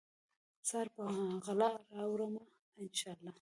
سحر په غلا راوړمه ، ان شا الله